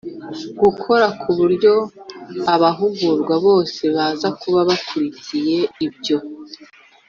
Gukora ku buryo abahugurwa bose baza kuba bakurikiye ibyo